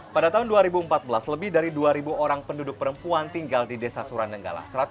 pada tahun dua ribu empat belas lebih dari dua orang penduduk perempuan tinggal di desa suranenggala